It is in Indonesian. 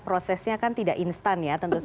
prosesnya kan tidak instan ya